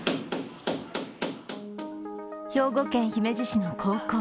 兵庫県姫路市の高校。